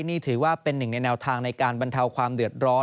นี่ถือว่าเป็นหนึ่งในแนวทางในการบรรเทาความเดือดร้อน